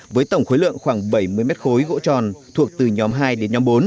với tổng khối lượng khoảng bảy mươi mét khối gỗ tròn thuộc từ nhóm hai đến nhóm bốn